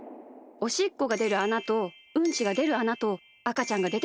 おしっこがでるあなとうんちがでるあなとあかちゃんがでてくるあな。